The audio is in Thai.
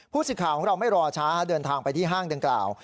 ผู้สิทธิ์ข่าวของเราไม่รอช้าเดินทางไปที่ห้างเดือนกล่าว